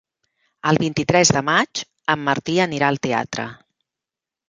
El vint-i-tres de maig en Martí anirà al teatre.